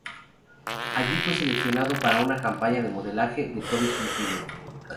Allí fue seleccionado para una campaña de modelaje de Tommy Hilfiger.